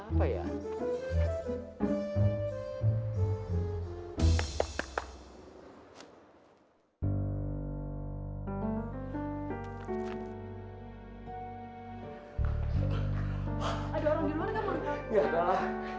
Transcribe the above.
ada orang di luar gak mohon kak